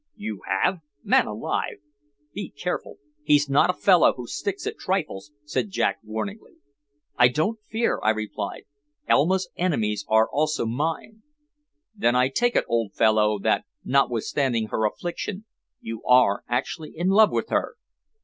"You have! Man alive! be careful. He's not a fellow who sticks at trifles," said Jack warningly. "I don't fear," I replied. "Elma's enemies are also mine." "Then I take it, old fellow, that notwithstanding her affliction, you are actually in love with her?"